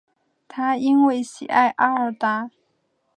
他因为喜爱阿尔达。